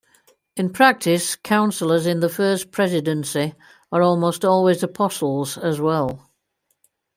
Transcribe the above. In practice, counselors in the First Presidency are almost always apostles as well.